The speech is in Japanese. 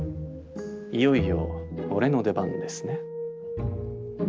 いよいよ俺の出番ですね。